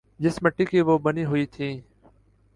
جس مٹی کی وہ بنی ہوئی تھیں۔